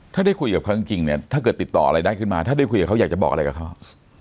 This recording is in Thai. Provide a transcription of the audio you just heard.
ถ้าได้คุยกับเขาจริงเนี่ยถ้าเกิดติดต่ออะไรได้ขึ้นมาถ้าได้คุยกับเขาอยากจะบอกอะไรกับเขา